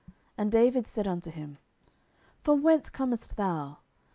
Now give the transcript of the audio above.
10:001:003 And David said unto him, From whence comest thou?